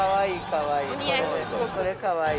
かわいい、かわいい。